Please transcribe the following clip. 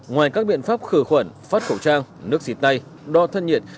ngoài các biện pháp khử khuẩn phát khẩu trang nước xịt tay đo thân nhiệt